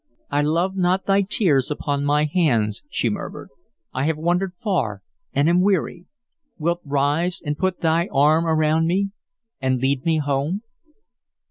"I love not thy tears upon my hands," she murmured. "I have wandered far and am weary. Wilt rise and put thy arm around me and lead me home?"